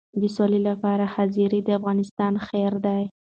د سولې لپاره حاضري د افغانستان خیر دی.